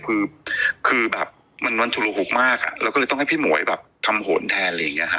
เป็นวันชุละหุกมากก็ต้องให้พี่หมวยทำโผล่แทน